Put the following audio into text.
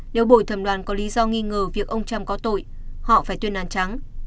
nếu bồi thẩm đoàn có lý do nghi ngờ việc ông trump có tội họ phải tuyên án trắng